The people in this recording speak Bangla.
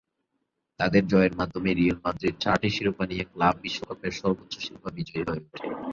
তাদের জয়ের মাধ্যমে, রিয়াল মাদ্রিদ চারটি শিরোপা নিয়ে ক্লাব বিশ্বকাপের সর্বোচ্চ শিরোপা বিজয়ী হয়ে ওঠে।